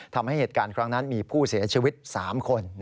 ทำให้เหตุการณ์ครั้งนั้นมีผู้เสียชีวิต๓คน